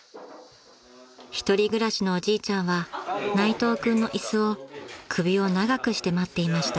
［１人暮らしのおじいちゃんは内藤君の椅子を首を長くして待っていました］